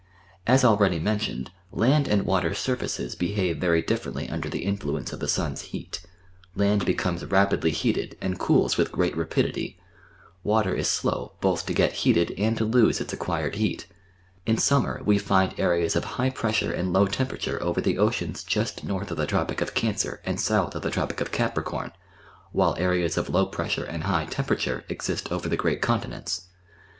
As already mentioned, land and \\ater surfaces hehave very differently under the inlluencc of the sun's heat: land heeomes rapidly heated, and cools with great rapidity; water is slow holh to gel healed and to lose its acquired heat. In summer we find areas of high pressure and low temperature over the oceans just north of the Tropic of Cancer and south of the Tropic of Capricorn, while areas of low pressure and high temperature exist over the great continents.